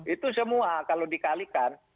itu semua kalau dikalikan